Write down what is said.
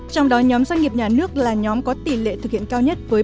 trong đó nhóm doanh nghiệp nhà nước là nhóm có tỷ lệ thực hiện cao nhất với bốn mươi tám